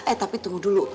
eh tapi tunggu dulu